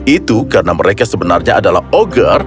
itu karena mereka sebenarnya adalah ogger